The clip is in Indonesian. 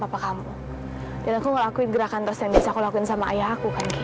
papa kamu dan aku ngelakuin gerakan terus yang bisa aku lakuin sama ayah aku kan gitu kayak